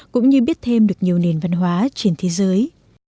cũng như biết thêm được nhiều nền văn hóa trên thế giới